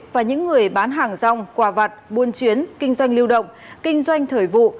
và những người bán hàng rong quà vặt buôn chuyến kinh doanh lưu động kinh doanh thời vụ